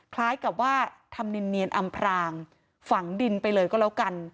คล้ายกับว่าทำเนียนอำพรางฝังดินไปเลยก็แล้วกัน